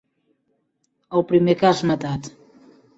El primer que has matat.